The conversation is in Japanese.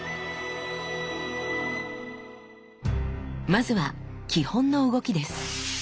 まずは基本の動きです。